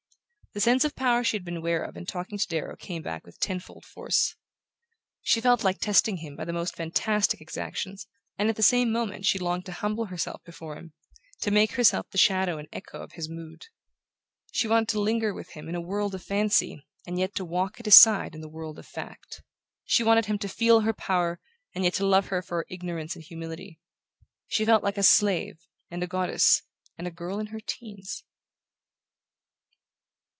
The sense of power she had been aware of in talking to Darrow came back with ten fold force. She felt like testing him by the most fantastic exactions, and at the same moment she longed to humble herself before him, to make herself the shadow and echo of his mood. She wanted to linger with him in a world of fancy and yet to walk at his side in the world of fact. She wanted him to feel her power and yet to love her for her ignorance and humility. She felt like a slave, and a goddess, and a girl in her teens...